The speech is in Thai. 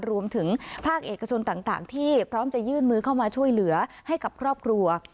รวมถึงภาคเอกชนต่างที่พร้อมจะยื่นมือเข้ามาช่วยเหลือให้กับครอบครัว